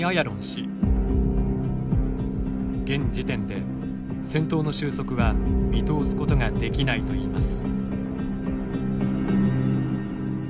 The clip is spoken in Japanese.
現時点で戦闘の収束は見通すことができないといいます。